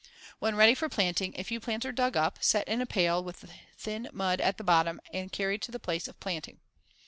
When ready for planting, a few plants are dug up, set in a pail with thin mud at the bottom and carried to the place of planting.